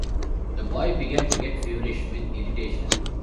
The boy began to get feverish with irritation.